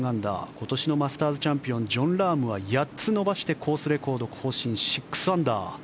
今年のマスターズチャンピオンジョン・ラームは８つ伸ばしてコースレコード更新７アンダー。